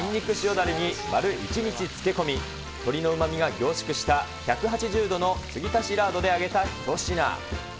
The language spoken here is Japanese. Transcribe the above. だれに丸１日漬け込み、鶏のうまみが凝縮した１８０度の継ぎ足しラードで揚げた一品。